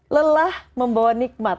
lelah membawa nikmat